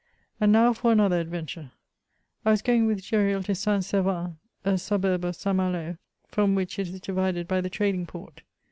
And now for another adventure. I was going with Qesril to St. Servan, a suburb of St. Malo, from which it is divided by the trading port.